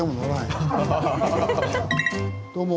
どうも。